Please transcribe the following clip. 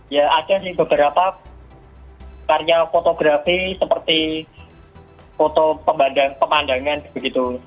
ya ada sih beberapa karya fotografi seperti foto pemandangan begitu